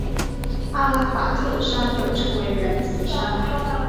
阿拉法特山又称为仁慈山。